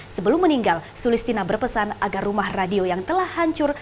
sebelum meninggal sulistina berpesan agar rumah radio yang telah hancur